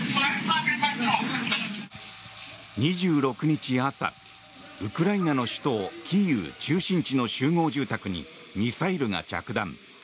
２６日朝、ウクライナの首都キーウ中心地の集合住宅にミサイルが着弾。